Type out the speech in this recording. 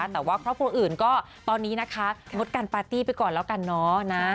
แต่ว่าก็ตอนนี้นะครับลดการปาร์ตี้ไปก่อนแล้วกันนา